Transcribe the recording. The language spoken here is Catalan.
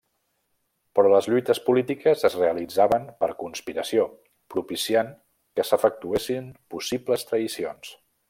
Però les lluites polítiques es realitzaven per conspiració, propiciant que s'efectuessin possibles traïcions.